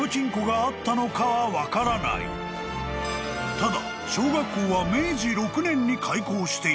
［ただ］